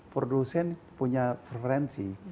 produsen punya preferensi